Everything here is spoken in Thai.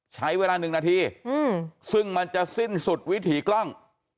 ใช้เวลา๑นาทีซึ่งมันจะสิ้นสุดวิถีกล้อง